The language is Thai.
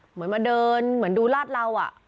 เหมือนมาเดินเหมือนดูลาดเรา